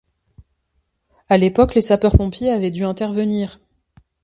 À l’époque les sapeurs-pompiers avaient dû intervenir.